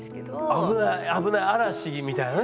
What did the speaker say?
危ない危ない嵐みたいなね？